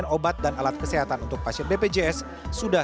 ketersediaan obat dan alat kesehatan untuk pasien bpjs kesehatan di faskes rujukan